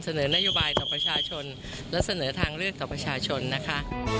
เสนอนโยบายต่อประชาชนและเสนอทางเลือกต่อประชาชนนะคะ